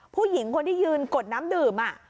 ผู้หญิงคนที่ยืนกดน้ำดื่ม